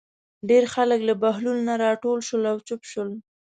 ډېر خلک له بهلول نه راټول شول او چوپ شول.